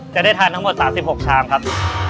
จะได้ทานทั้งหมด๓๖ชามครับ